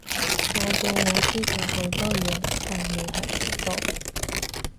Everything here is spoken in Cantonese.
我估我知佢好多嘢，但未係全部